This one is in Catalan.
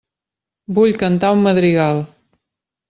Vull cantar un madrigal.